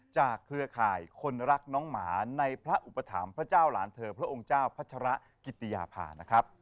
เครือข่ายคนรักน้องหมาในพระอุปถัมภ์พระเจ้าหลานเธอพระองค์เจ้าพัชระกิติยาภานะครับ